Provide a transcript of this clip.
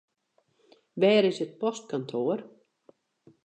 Wêr is it postkantoar?